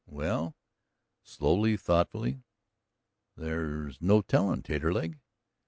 "Well," slowly, thoughtfully, "there's no tellin', Taterleg."